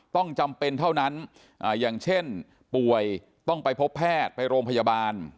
ต้องจำเป็นเท่านั้นอย่างเช่นป่วยต้องไปพบแพทย์ไปโรงพยาบาล